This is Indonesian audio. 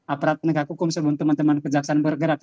aparat penegak hukum sebelum teman teman kejaksaan bergerak